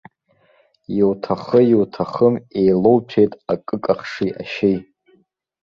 Иуҭахы-иуҭахым еилоуҭәеит акыкахши ашьеи!